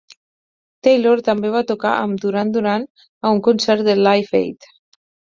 Taylor també va tocar amb Duran Duran a un concert de Live Aid.